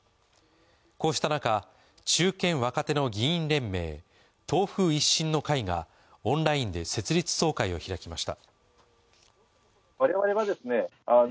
こうした中、中堅・若手の議員連盟、党風一新の会がオンラインで設立総会を開きました。